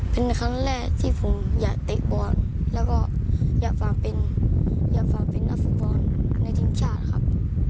ผมอยากติ๊กบอลแล้วก็อยากฟังเป็นนักฟุตบอลในทิมชาติครับ